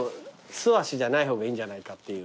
素足じゃない方がいいんじゃないかっていう。